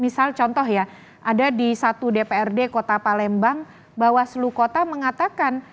misal contoh ya ada di satu dprd kota palembang bawaslu kota mengatakan